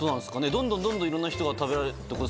どんどんどんどんいろんな人が食べられるってことですかね？